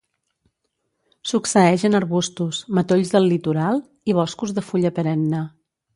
Succeeix en arbustos, matolls del litoral i boscos de fulla perenne.